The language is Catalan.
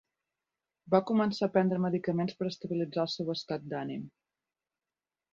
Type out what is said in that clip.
Va començar a prendre medicaments per estabilitzar el seu estat d'ànim.